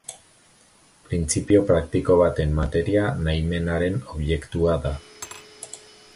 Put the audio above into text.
Printzipio praktiko baten materia nahimenaren objektua da.